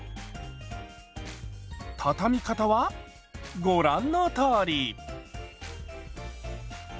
たたみ方はご覧のとおり。